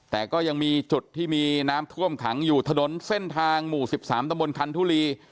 แต่ก็ยังมีจุดที่มีน้ำท่วมขังอยู่ถนนเส้นทางหมู่๑๓ตะบนคันทุรี